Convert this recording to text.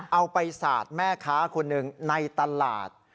ไปสาดแม่ค้าคนหนึ่งในตลาด